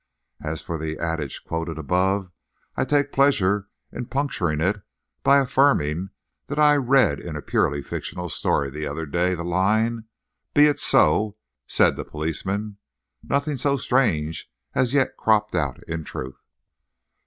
As for the adage quoted above, I take pleasure in puncturing it by affirming that I read in a purely fictional story the other day the line: "'Be it so,' said the policeman." Nothing so strange has yet cropped out in Truth.